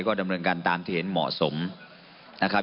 ก็ดำเนินการตามที่เห็นเหมาะสมนะครับ